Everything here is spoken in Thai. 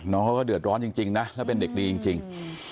น้องเขาก็เดือดร้อนจริงนะแล้วเป็นเด็กดีจริง